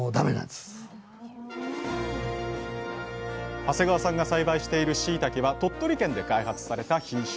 長谷川さんが栽培しているしいたけは鳥取県で開発された品種です。